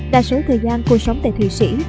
đa số thời gian cô sống tại thụy sĩ